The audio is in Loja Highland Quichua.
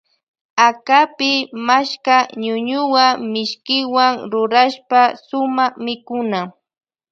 Akapi machka ñuñuwa mishkiwan rurashpa suma mikuna.